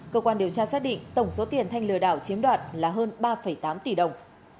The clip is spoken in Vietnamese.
cơ quan điều tra xác định tổng số tiền thanh lừa đảo chiếm đoạt là hơn ba tám tỷ đồng